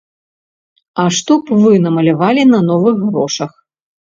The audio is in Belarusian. А што б вы намалявалі на новых грошах?